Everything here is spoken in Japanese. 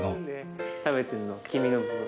食べてるの黄身の部分。